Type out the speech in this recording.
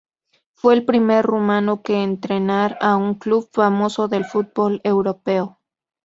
Fue el primer rumano que entrenar a un club famoso del fútbol europeo.